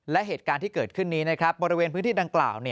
และเหตุการณ์ที่เกิดขึ้นนี้นะครับบริเวณพื้นที่ดังกล่าว